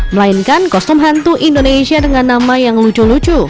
melainkan kostum hantu indonesia dengan nama yang lucu lucu